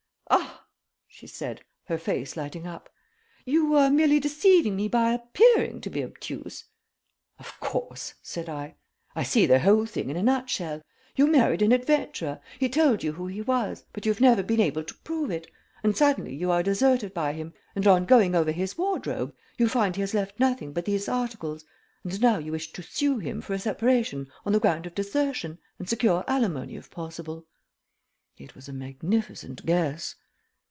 "Ah!" she said, her face lighting up. "You were merely deceiving me by appearing to be obtuse?" "Of course," said I. "I see the whole thing in a nutshell. You married an adventurer; he told you who he was, but you've never been able to prove it; and suddenly you are deserted by him, and on going over his wardrobe you find he has left nothing but these articles: and now you wish to sue him for a separation on the ground of desertion, and secure alimony if possible." It was a magnificent guess.